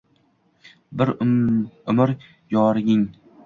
Bir umr yorining